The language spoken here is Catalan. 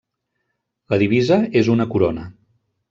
La divisa és una corona.